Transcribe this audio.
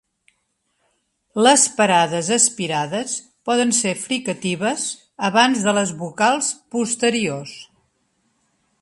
Les parades aspirades poden ser fricatives abans de les vocals posteriors.